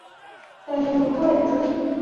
目前设于此建筑的是意大利西雅那银行。